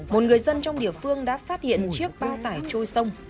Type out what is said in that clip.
một người dân trong địa phương đã phát hiện chiếc bao tải trôi sông